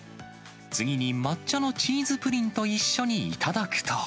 次に抹茶チーズプリンと一緒に頂くと。